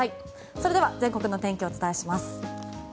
それでは全国の天気をお伝えします。